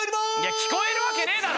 聞こえるわけねえだろ！